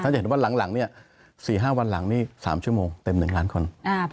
จะเห็นว่าหลังเนี่ย๔๕วันหลังนี่๓ชั่วโมงเต็ม๑ล้านคน